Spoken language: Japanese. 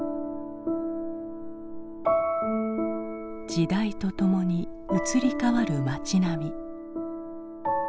時代とともに移り変わる町並み。